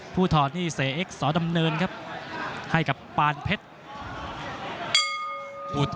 ถอดนี่เสเอ็กซอดำเนินครับให้กับปานเพชร